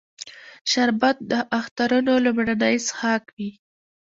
شربت د اخترونو لومړنی څښاک وي